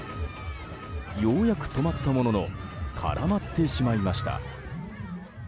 ようやく止まったものの絡まってしまいました。